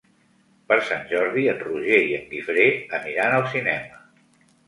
Per Sant Jordi en Roger i en Guifré aniran al cinema.